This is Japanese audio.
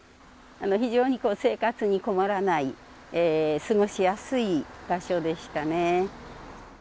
非常に生活に困らない過ごしやすい場所でしたね。